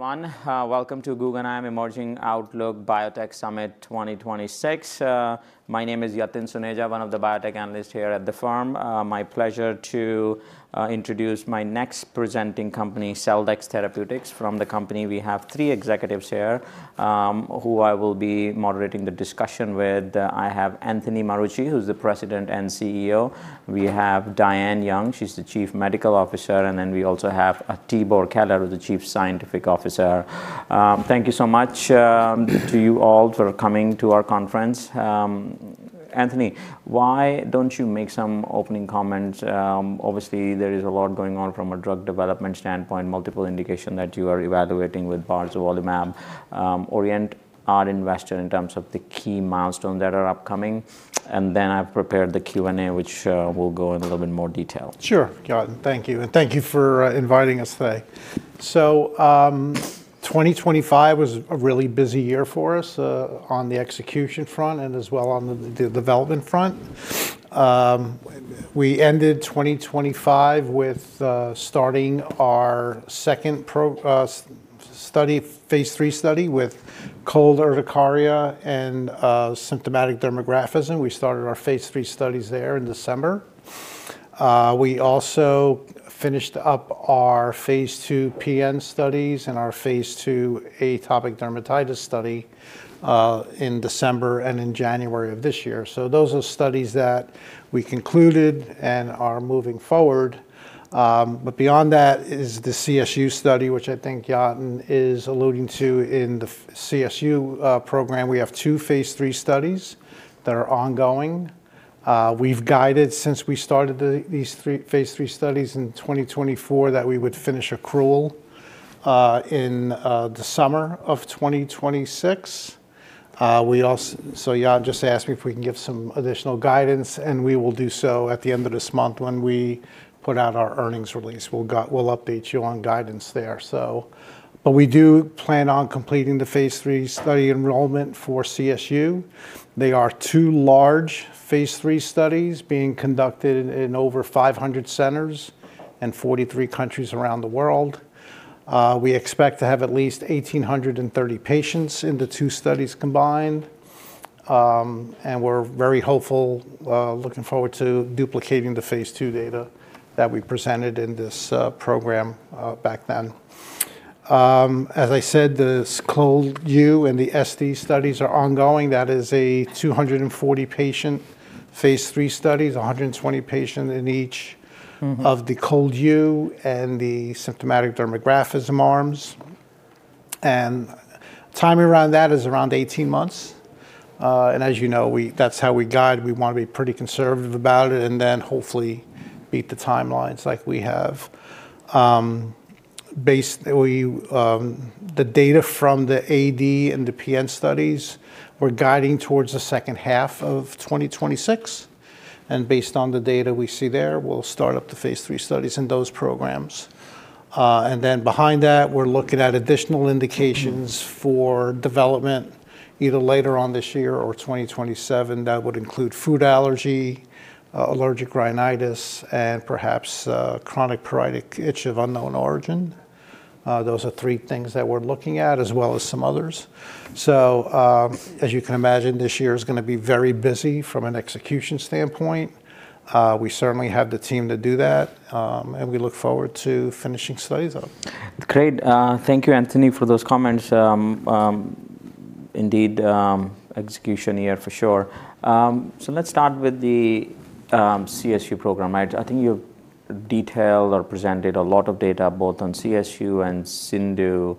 Everyone, welcome to Guggenheim Emerging Outlook Biotech Summit 2026. My name is Yatin Suneja, one of the biotech analysts here at the firm. My pleasure to introduce my next presenting company, Celldex Therapeutics. From the company, we have three executives here, who I will be moderating the discussion with. I have Anthony Marucci, who's the President and CEO. We have Diane Young, she's the Chief Medical Officer, and then we also have Tibor Keler, who's the Chief Scientific Officer. Thank you so much to you all for coming to our conference. Anthony, why don't you make some opening comments? Obviously, there is a lot going on from a drug development standpoint, multiple indication that you are evaluating with barzolvolimab. Orient our investor in terms of the key milestone that are upcoming, and then I've prepared the Q&A, which, we'll go in a little bit more detail. Sure, Yatin, thank you, and thank you for inviting us today. So, 2025 was a really busy year for us, on the execution front and as well on the development front. We ended 2025 with starting our second phase 3 study with cold urticaria and symptomatic dermographism. We started our phase 3 studies there in December. We also finished up our phase 2 PN studies and our phase 2 atopic dermatitis study, in December and in January of this year. So those are studies that we concluded and are moving forward. But beyond that is the CSU study, which I think Yatin is alluding to. In the CSU program, we have two phase 3 studies that are ongoing. We've guided, since we started these three phase 3 studies in 2024, that we would finish accrual in the summer of 2026. So Yatin just asked me if we can give some additional guidance, and we will do so at the end of this month when we put out our earnings release. We'll update you on guidance there, so... But we do plan on completing the phase 3 study enrollment for CSU. They are two large phase 3 studies being conducted in over 500 centers and 43 countries around the world. We expect to have at least 1,830 patients in the two studies combined. And we're very hopeful, looking forward to duplicating the phase 2 data that we presented in this program back then. As I said, the ColdU and the SD studies are ongoing. That is a 240-patient phase III studies, 120-patient in each- Mm-hmm... of the ColdU and the symptomatic dermographism arms. Timing around that is around 18 months. And as you know, that's how we guide. We want to be pretty conservative about it, and then hopefully meet the timelines like we have. The data from the AD and the PN studies, we're guiding towards the second half of 2026, and based on the data we see there, we'll start up the phase III studies in those programs. And then behind that, we're looking at additional indications- Mm-hmm... for development, either later on this year or 2027. That would include food allergy, allergic rhinitis, and perhaps, chronic pruritic itch of unknown origin. Those are three things that we're looking at, as well as some others. So, as you can imagine, this year is gonna be very busy from an execution standpoint. We certainly have the team to do that, and we look forward to finishing studies up. Great. Thank you, Anthony, for those comments. Indeed, execution year for sure. So let's start with the CSU program. I think you've detailed or presented a lot of data, both on CSU and CIndU,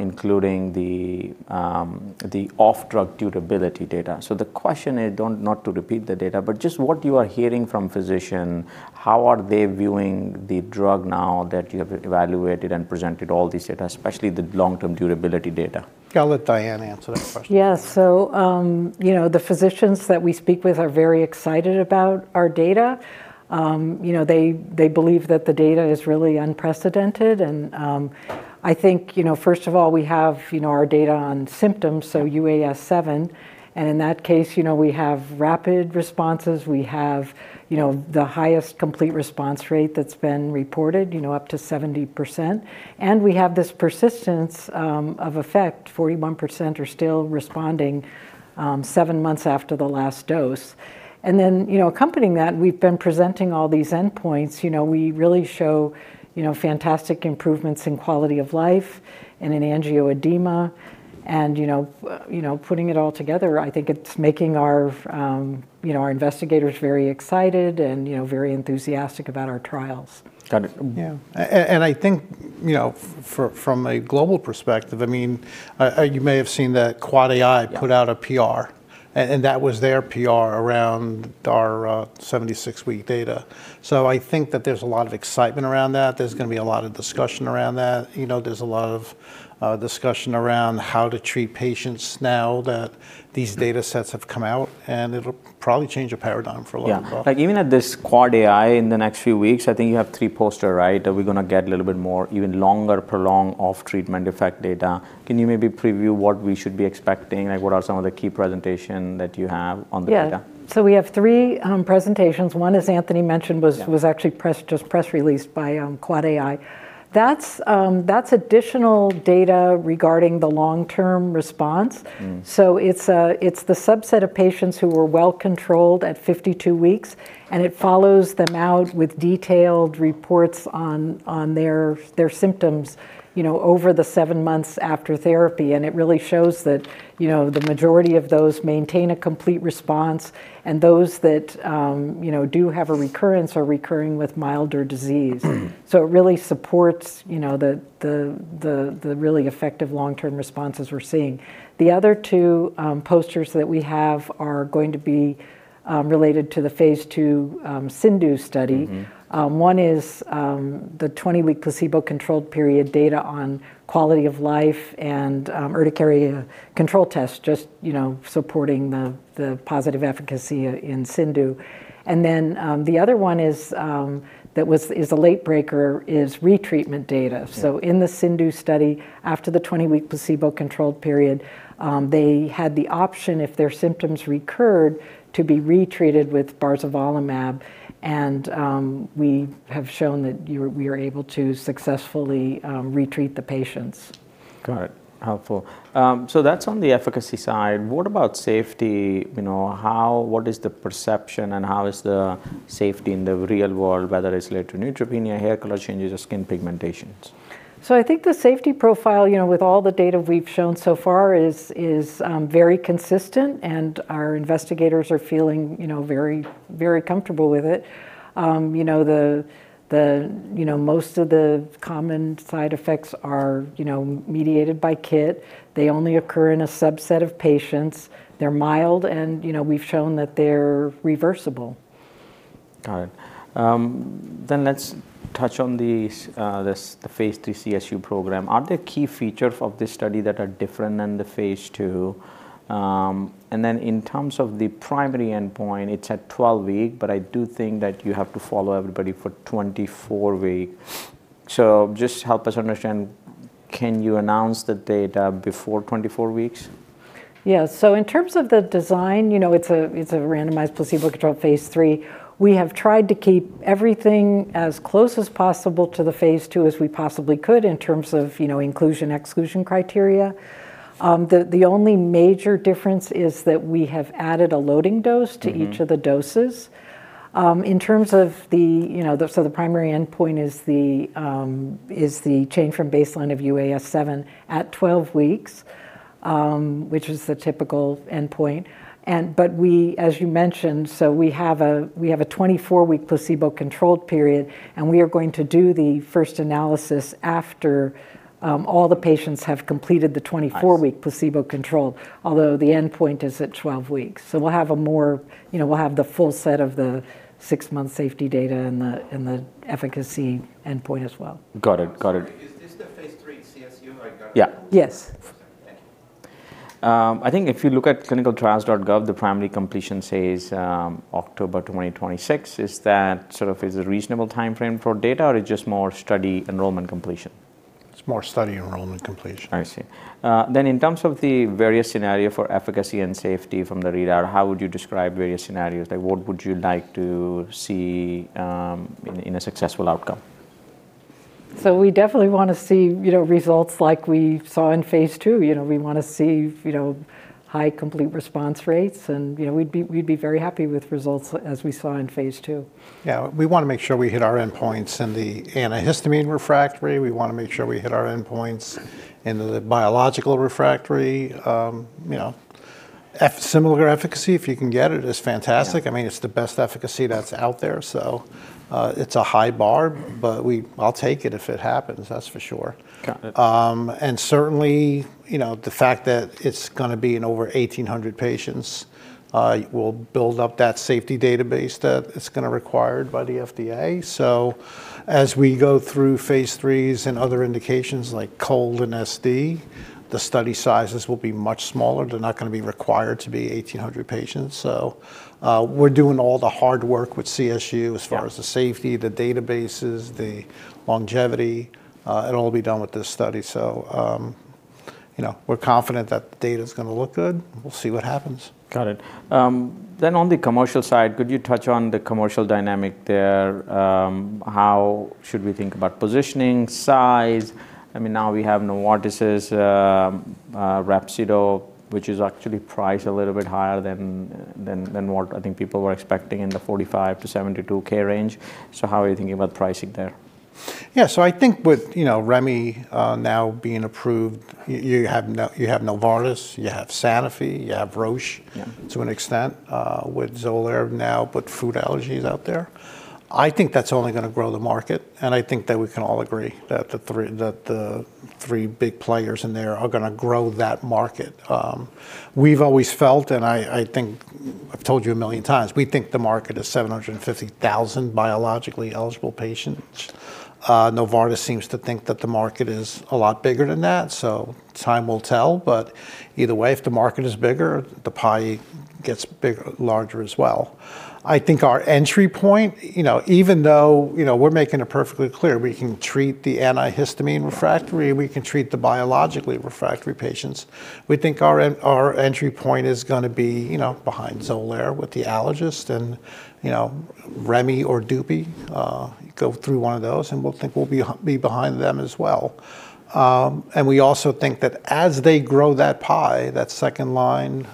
including the off-drug durability data. So the question is, don't-- not to repeat the data, but just what you are hearing from physician, how are they viewing the drug now that you have evaluated and presented all this data, especially the long-term durability data? I'll let Diane answer that question. Yeah. So, you know, the physicians that we speak with are very excited about our data. You know, they, they believe that the data is really unprecedented. And, I think, you know, first of all, we have, you know, our data on symptoms, so UAS7. And in that case, you know, we have rapid responses. We have, you know, the highest complete response rate that's been reported, you know, up to 70%. And we have this persistence, of effect, 41% are still responding, seven months after the last dose. And then, you know, accompanying that, we've been presenting all these endpoints. You know, we really show, you know, fantastic improvements in quality of life and in angioedema, and, you know, you know, putting it all together, I think it's making our, you know, our investigators very excited and, you know, very enthusiastic about our trials. Got it. Yeah. And I think, you know, from a global perspective, I mean, you may have seen that Quad AI- Yeah... put out a PR.... and, and that was their PR around our 76-week data. So I think that there's a lot of excitement around that. There's gonna be a lot of discussion around that. You know, there's a lot of discussion around how to treat patients now that these data sets have come out, and it'll probably change the paradigm for a long time. Yeah. Like, even at this AAAAI in the next few weeks, I think you have three posters, right? Are we gonna get a little bit more, even longer prolonged off treatment effect data? Can you maybe preview what we should be expecting? Like, what are some of the key presentations that you have on the data? Yeah. So we have three presentations. One, as Anthony mentioned- Yeah... was actually just press released by Quad AI. That's additional data regarding the long-term response. Mm-hmm. So it's the subset of patients who were well controlled at 52 weeks, and it follows them out with detailed reports on, on their, their symptoms, you know, over the 7 months after therapy. And it really shows that, you know, the majority of those maintain a complete response, and those that, you know, do have a recurrence are recurring with milder disease. Mm-hmm. So it really supports, you know, the really effective long-term responses we're seeing. The other two posters that we have are going to be related to the phase 2 CIndU study. Mm-hmm. One is the 20-week placebo-controlled period data on quality of life and urticaria control test, just, you know, supporting the positive efficacy in CIndU. And then the other one is that is a late breaker, is retreatment data. Yeah. In the CIndU study, after the 20-week placebo-controlled period, they had the option, if their symptoms recurred, to be retreated with barzolvolimab, and we have shown that we are able to successfully retreat the patients. Got it. Helpful. So that's on the efficacy side. What about safety? You know, what is the perception, and how is the safety in the real world, whether it's related to neutropenia, hair color changes, or skin pigmentations? So I think the safety profile, you know, with all the data we've shown so far, is very consistent, and our investigators are feeling, you know, very, very comfortable with it. You know, the, you know, most of the common side effects are, you know, mediated by KIT. They only occur in a subset of patients, they're mild, and, you know, we've shown that they're reversible. Got it. Then let's touch on these, the phase 2 CSU program. Are there key features of this study that are different than the phase 2? And then in terms of the primary endpoint, it's at 12 weeks, but I do think that you have to follow everybody for 24 weeks. So just help us understand, can you announce the data before 24 weeks? Yeah. So in terms of the design, you know, it's a randomized placebo-controlled phase 3. We have tried to keep everything as close as possible to the phase 2 as we possibly could in terms of, you know, inclusion, exclusion criteria. The only major difference is that we have added a loading dose- Mm-hmm... to each of the doses. In terms of the, you know, the. So the primary endpoint is the change from baseline of UAS7 at 12 weeks, which is the typical endpoint. But we, as you mentioned, so we have a 24-week placebo-controlled period, and we are going to do the first analysis after all the patients have completed the 24- Nice... week placebo control, although the endpoint is at 12 weeks. So we'll have a more... You know, we'll have the full set of the 6-month safety data and the, and the efficacy endpoint as well. Got it. Got it. Sorry, is this the phase 3 CSU I got? Yeah. Yes. Thank you. I think if you look at ClinicalTrials.gov, the primary completion says October 2026. Is that sort of a reasonable timeframe for data, or it's just more study enrollment completion? It's more study enrollment completion. I see. Then in terms of the various scenarios for efficacy and safety from the readout, how would you describe various scenarios? Like, what would you like to see, in a successful outcome? We definitely want to see, you know, results like we saw in phase 2. You know, we want to see, you know, high complete response rates, and, you know, we'd be, we'd be very happy with results as we saw in phase 2. Yeah. We want to make sure we hit our endpoints in the antihistamine refractory. We want to make sure we hit our endpoints in the biological refractory. You know, similar efficacy, if you can get it, is fantastic. Yeah. I mean, it's the best efficacy that's out there, so, it's a high bar, but I'll take it if it happens, that's for sure. Got it. And certainly, you know, the fact that it's gonna be in over 1,800 patients will build up that safety database that is gonna required by the FDA. So as we go through phase 3s and other indications like cold and SD, the study sizes will be much smaller. They're not gonna be required to be 1,800 patients. So, we're doing all the hard work with CSU- Yeah... as far as the safety, the databases, the longevity, it'll all be done with this study. So, you know, we're confident that the data is gonna look good. We'll see what happens. Got it. Then on the commercial side, could you touch on the commercial dynamic there? How should we think about positioning, size? I mean, now we have Novartis's Rapsido, which is actually priced a little bit higher than what I think people were expecting in the $45,000-$72,000 range. So how are you thinking about pricing there? Yeah. So I think with, you know, remibrutinib now being approved, you have Novartis, you have Sanofi, you have Roche- Yeah... to an extent, with Xolair now, but food allergies out there. I think that's only gonna grow the market, and I think that we can all agree that the three big players in there are gonna grow that market. We've always felt, and I think I've told you a million times, we think the market is 750,000 biologically eligible patients. Novartis seems to think that the market is a lot bigger than that, so time will tell. But either way, if the market is bigger, the pie gets larger as well. I think our entry point, you know, even though, you know, we're making it perfectly clear, we can treat the antihistamine refractory, we can treat the biologically refractory patients. We think our entry point is gonna be, you know, behind Xolair with the allergist and, you know, Remi or Dupixent. Go through one of those, and we'll think we'll be behind them as well. And we also think that as they grow that pie, that second line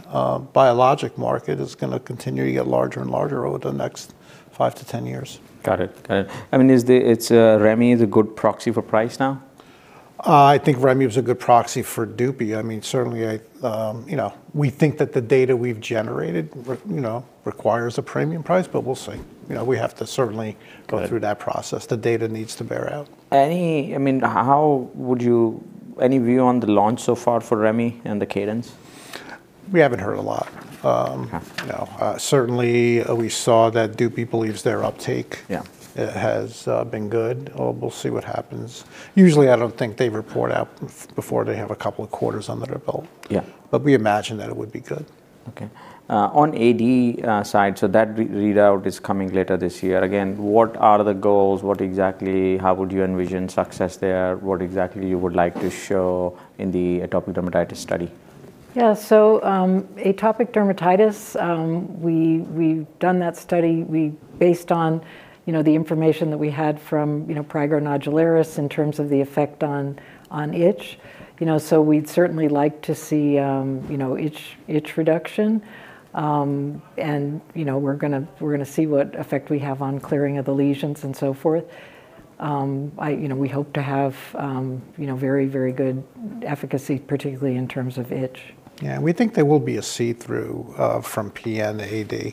biologic market is gonna continue to get larger and larger over the next 5-10 years. Got it. I mean, is Remi a good proxy for price now? I think Remy is a good proxy for Dupixent. I mean, certainly, I you know, we think that the data we've generated you know requires a premium price, but we'll see. You know, we have to certainly- Got it... go through that process. The data needs to bear out. I mean, how would you any view on the launch so far for Remi and the cadence? We haven't heard a lot. Okay. Certainly, we saw that Dupixent believes their uptake- Yeah... has been good. We'll see what happens. Usually, I don't think they report out before they have a couple of quarters on the ripple. Yeah. But we imagine that it would be good. Okay. On AD side, so that readout is coming later this year. Again, what are the goals? What exactly... How would you envision success there? What exactly you would like to show in the atopic dermatitis study? Yeah. So, atopic dermatitis, we've done that study. Based on, you know, the information that we had from, you know, prurigo nodularis in terms of the effect on, on itch. You know, so we'd certainly like to see, you know, itch, itch reduction. And, you know, we're gonna see what effect we have on clearing of the lesions and so forth. You know, we hope to have, you know, very, very good efficacy, particularly in terms of itch. Yeah, we think there will be a read-through from PN AD,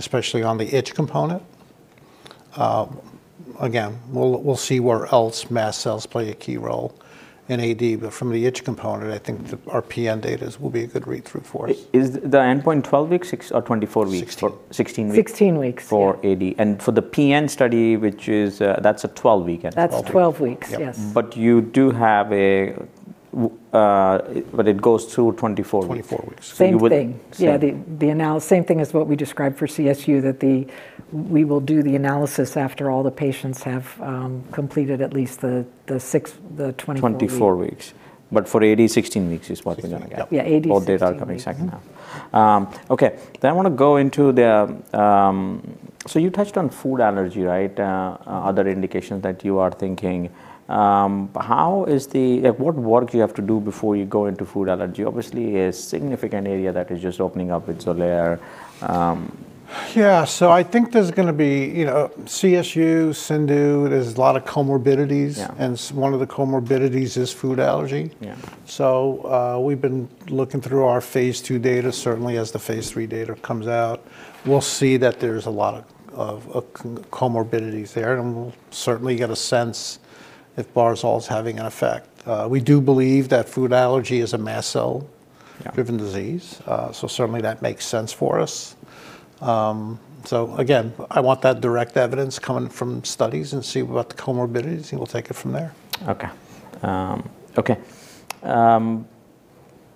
especially on the itch component. Again, we'll see where else mast cells play a key role in AD, but from the itch component, I think our PN data's will be a good read-through for us. Is the endpoint 12 weeks, 6 or 24 weeks? Sixteen. Sixteen weeks. 16 weeks, yeah. For AD. For the PN study, which is, that's a 12-week endpoint. That's 12 weeks, yes. But you do have a but it goes to 24 weeks. Twenty-four weeks. Same thing. So you will- Yeah, the same thing as what we described for CSU, that we will do the analysis after all the patients have completed at least the 6, the 24 weeks. 24 weeks. But for AD, 16 weeks is what we're gonna get. Yeah. Yeah, AD- Both data are coming second now. Okay. Then I wanna go into the... So you touched on food allergy, right? Other indications that you are thinking. What work you have to do before you go into food allergy? Obviously, a significant area that is just opening up with Xolair. Yeah, so I think there's gonna be, you know, CSU, CIndU, there's a lot of comorbidities. Yeah. One of the comorbidities is food allergy. Yeah. We've been looking through our phase II data. Certainly, as the phase III data comes out, we'll see that there's a lot of comorbidities there, and we'll certainly get a sense if Barzol's having an effect. We do believe that food allergy is a mast cell- Yeah... driven disease. So certainly that makes sense for us. So again, I want that direct evidence coming from studies and see what the comorbidities, and we'll take it from there. Okay, okay.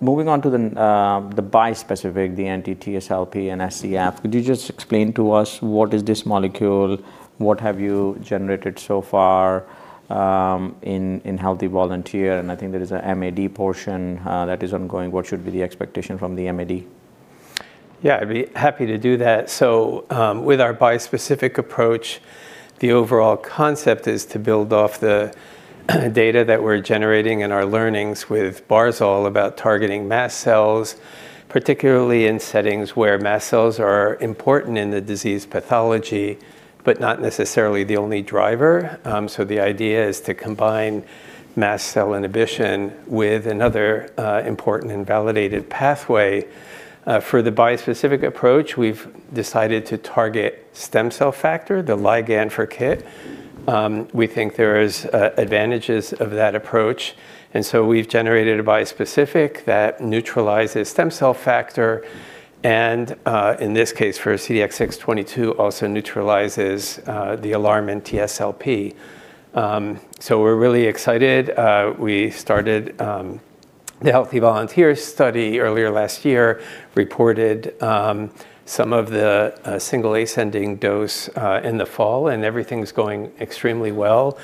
Moving on to the bispecific, the anti-TSLP and SCF. Could you just explain to us what is this molecule? What have you generated so far in healthy volunteer? And I think there is a MAD portion that is ongoing. What should be the expectation from the MAD? Yeah, I'd be happy to do that. So, with our bispecific approach, the overall concept is to build off the data that we're generating and our learnings with barzolvolimab about targeting mast cells, particularly in settings where mast cells are important in the disease pathology, but not necessarily the only driver. So the idea is to combine mast cell inhibition with another, important and validated pathway. For the bispecific approach, we've decided to target stem cell factor, the ligand for KIT. We think there is advantages of that approach, and so we've generated a bispecific that neutralizes stem cell factor, and in this case, for CDX-622, also neutralizes the alarmin TSLP. So we're really excited. We started the healthy volunteer study earlier last year, reported some of the single ascending dose in the fall, and everything's going extremely well.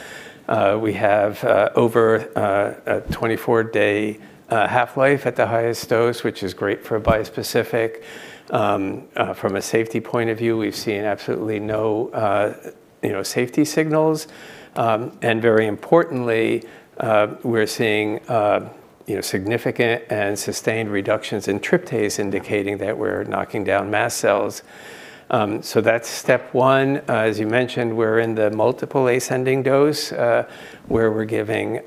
We have over a 24-day half-life at the highest dose, which is great for a bispecific. From a safety point of view, we've seen absolutely no, you know, safety signals. And very importantly, we're seeing, you know, significant and sustained reductions in tryptase, indicating that we're knocking down mast cells. So that's step one. As you mentioned, we're in the multiple ascending dose, where we're giving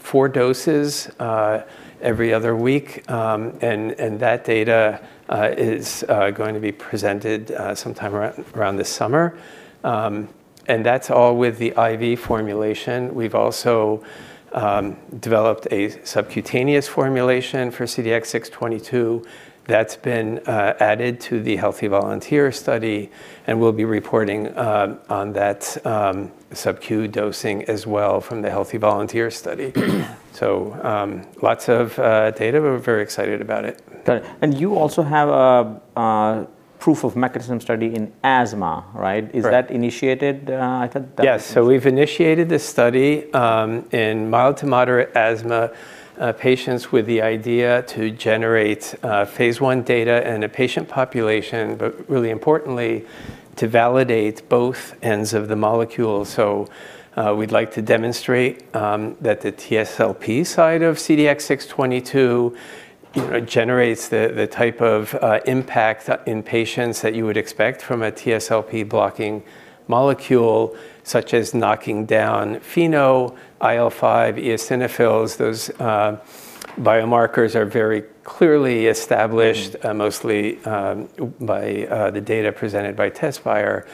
4 doses every other week. And that data is going to be presented sometime around this summer. And that's all with the IV formulation. We've also developed a subcutaneous formulation for CDX-622 that's been added to the healthy volunteer study, and we'll be reporting on that SubQ dosing as well from the healthy volunteer study. So, lots of data, but we're very excited about it. Got it. And you also have proof of mechanism study in asthma, right? Right. Is that initiated, I think that- Yes, so we've initiated this study in mild to moderate asthma patients with the idea to generate phase 1 data in a patient population, but really importantly, to validate both ends of the molecule. So, we'd like to demonstrate that the TSLP side of CDX-622 generates the type of impact in patients that you would expect from a TSLP blocking molecule, such as knocking down Th2, IL-5, eosinophils. Those biomarkers are very clearly established- Mm-hmm... mostly by the data presented by Tezspire.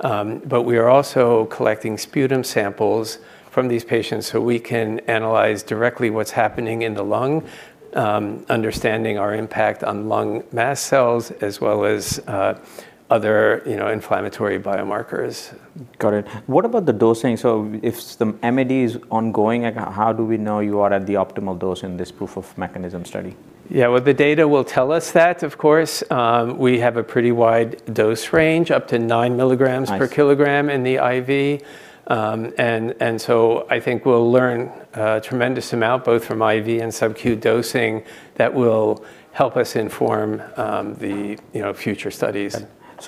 But we are also collecting sputum samples from these patients, so we can analyze directly what's happening in the lung, understanding our impact on lung mast cells, as well as other, you know, inflammatory biomarkers. Got it. What about the dosing? So if the MAD is ongoing, like, how do we know you are at the optimal dose in this proof of mechanism study? Yeah, well, the data will tell us that, of course. We have a pretty wide dose range, up to 9 milligrams- Nice... per kilogram in the IV. So I think we'll learn a tremendous amount, both from IV and subQ dosing, that will help us inform the, you know, future studies.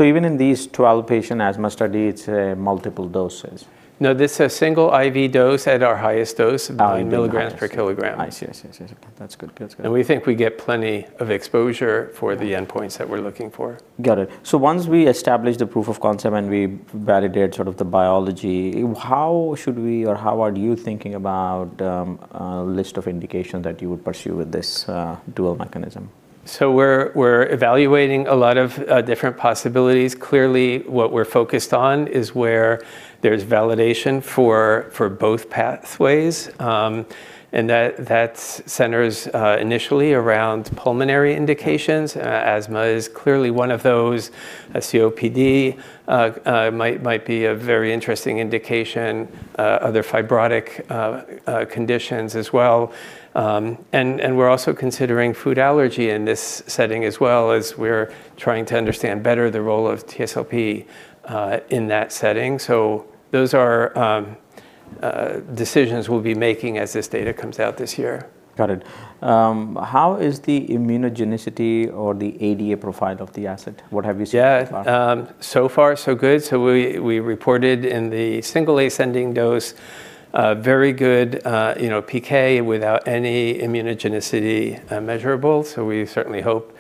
Even in these 12 patient asthma study, it's multiple doses? No, this is a single IV dose at our highest dose- Ah, mm-hmm... milligrams per kilogram. I see. Yes, yes, yes. Okay, that's good. Good, it's good. We think we get plenty of exposure for the endpoints that we're looking for. Got it. So once we establish the proof of concept and we validate sort of the biology, how should we or how are you thinking about list of indications that you would pursue with this dual mechanism? So we're evaluating a lot of different possibilities. Clearly, what we're focused on is where there's validation for both pathways. And that centers initially around pulmonary indications. Asthma is clearly one of those, COPD might be a very interesting indication, other fibrotic conditions as well. And we're also considering food allergy in this setting as well as we're trying to understand better the role of TSLP in that setting. So those are decisions we'll be making as this data comes out this year. Got it. How is the immunogenicity or the ADA profile of the asset? What have you seen so far? Yeah. So far, so good. So we reported in the single ascending dose a very good, you know, PK without any immunogenicity measurable. So we certainly hope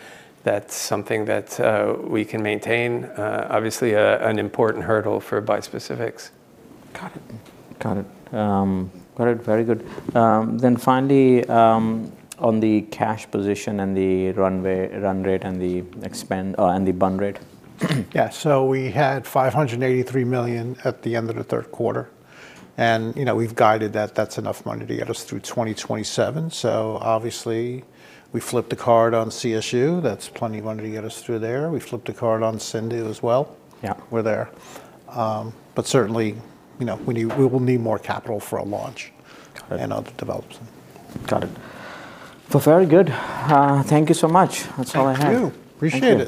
that's something that we can maintain, obviously, an important hurdle for bispecifics. Got it. Got it. Got it. Very good. Then finally, on the cash position and the runway, run rate, and the expenses, and the burn rate. Yeah. So we had $583 million at the end of the third quarter, and, you know, we've guided that. That's enough money to get us through 2027. So obviously, we flipped a card on CSU. That's plenty of money to get us through there. We flipped a card on CIndU as well. Yeah. We're there. But certainly, you know, we will need more capital for a launch- Got it... and other development. Got it. So very good. Thank you so much. That's all I have. Thank you. Appreciate it.